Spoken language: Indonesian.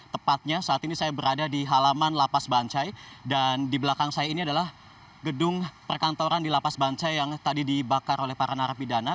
tepatnya saat ini saya berada di halaman lapas bancai dan di belakang saya ini adalah gedung perkantoran di lapas bancai yang tadi dibakar oleh para narapidana